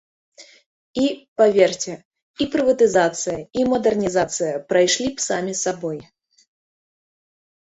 І, паверце, і прыватызацыя, і мадэрнізацыя прайшлі б самі сабой.